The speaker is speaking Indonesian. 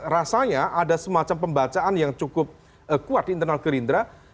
rasanya ada semacam pembacaan yang cukup kuat di internal gerindra